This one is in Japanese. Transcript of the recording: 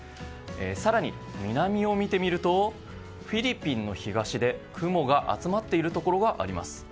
更に、南を見てみるとフィリピンの東で雲が集まっているところがあります。